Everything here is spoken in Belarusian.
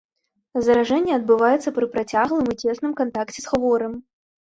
Заражэнне адбываецца пры працяглым і цесным кантакце з хворым.